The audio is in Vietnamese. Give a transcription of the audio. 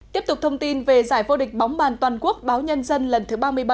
tiếp tục thông tin về giải vô địch bóng bàn toàn quốc báo nhân dân lần thứ ba mươi bảy